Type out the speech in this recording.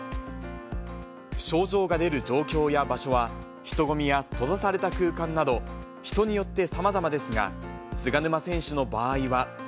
症状が出る状況や場所は、人混みや閉ざされた空間など、人によってさまざまですが、菅沼選手の場合は。